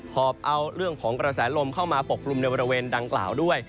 อบเอาเรื่องของกระแสลมเข้ามาปกกลุ่มในบริเวณดังกล่าวด้วย